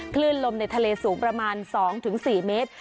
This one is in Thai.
คลื่นลมในทะเลสูงประมาณ๒๔เมตร